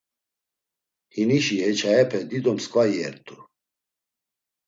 Hinişi heç̌ayepe dido msǩva iyer’tu.